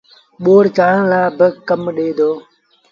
ٻوڙ چآڙڻ لآ با ڪم ڏي دو